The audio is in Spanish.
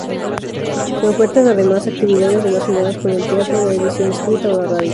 Se ofertan, además, actividades relacionadas con el teatro, la edición escrita o la radio.